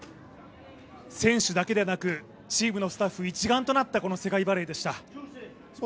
選手だけでなく、チームのスタッフ一丸となったこの世界バレーでした。